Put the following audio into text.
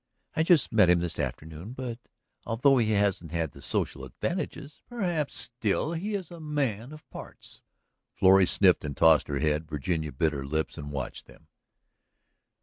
I just met him this afternoon. But, although he hasn't had the social advantages, perhaps, still he is a man of parts." Florrie sniffed and tossed her head. Virginia bit her lips and watched them.